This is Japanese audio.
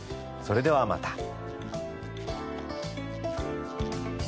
それではまた。